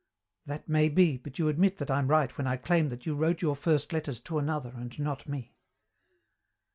"That may be, but you admit that I'm right when I claim that you wrote your first letters to another and not me."